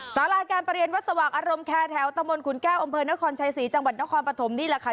สาราการประเรียนวัดสว่างอารมณ์แคร์แถวตะมนต์ขุนแก้วอำเภอนครชัยศรีจังหวัดนครปฐมนี่แหละค่ะ